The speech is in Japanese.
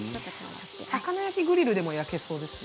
魚焼きグリルでも焼けそうですね。